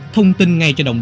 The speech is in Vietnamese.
thông tin ngay cho đồng chí